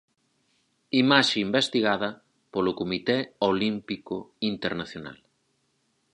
Imaxe investigada polo Comité Olímpico Internacional.